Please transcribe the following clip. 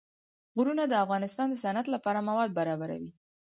غرونه د افغانستان د صنعت لپاره مواد برابروي.